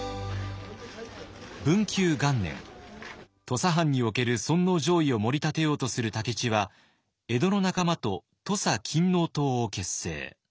土佐藩における尊皇攘夷をもり立てようとする武市は江戸の仲間と土佐勤王党を結成。